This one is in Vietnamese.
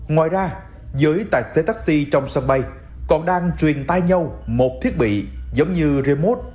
ngoài ra dưới tài xế taxi trong sân bay còn đang truyền tai nhau một thiết bị giống như remote